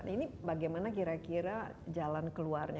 ini bagaimana kira kira jalan keluarnya